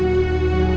saya sudah selesai